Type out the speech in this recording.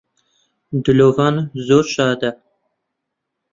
دلۆڤان زۆر شادە